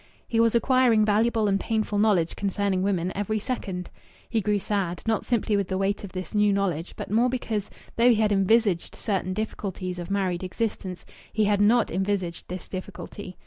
He was acquiring valuable and painful knowledge concerning women every second. He grew sad, not simply with the weight of this new knowledge, but more because, though he had envisaged certain difficulties of married existence, he had not envisaged this difficulty.